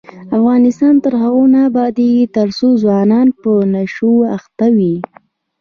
افغانستان تر هغو نه ابادیږي، ترڅو ځوانان په نشو اخته وي.